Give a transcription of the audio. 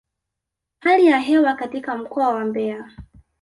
Hali ya hewa katika mkoa wa Mbeya